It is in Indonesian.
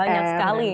lsm banyak sekali